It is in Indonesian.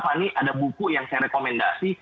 apa nih ada buku yang saya rekomendasi